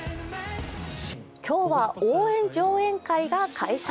今日は応援上映会が開催。